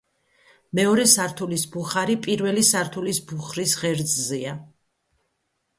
მეორე სართულის ბუხარი პირველი სართულის ბუხრის ღერძზეა.